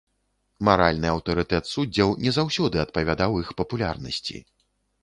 Маральны аўтарытэт суддзяў не заўсёды адпавядаў іх папулярнасці.